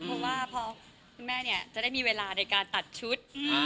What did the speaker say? เพราะว่าพอคุณแม่เนี่ยจะได้มีเวลาในการตัดชุด